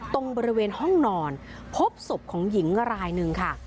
ตรงบริเวณห้องนอนพบศพของหญิงรายหนึ่งค่ะ